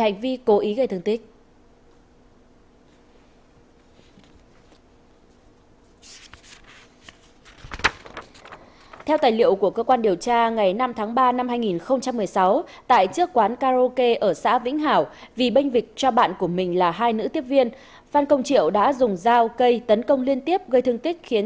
hãy đăng ký kênh để ủng hộ kênh của chúng mình nhé